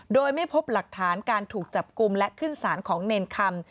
โดยไม่พบหลักฐานการถูกจับกลุ่มและขึ้นสารของเนรคำ